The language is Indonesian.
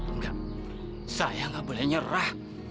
enggak saya nggak boleh nyerah